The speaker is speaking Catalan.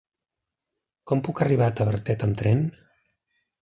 Com puc arribar a Tavertet amb tren?